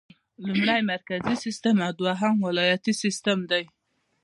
لومړی مرکزي سیسټم او دوهم ولایتي سیسټم دی.